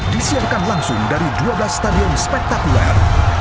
disiarkan langsung dari dua belas stadion spektakuler